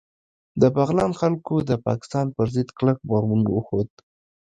د بغلان خلکو د پاکستان پر ضد کلک غبرګون وښود